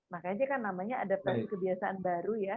makanya kan namanya adaptasi kebiasaan baru ya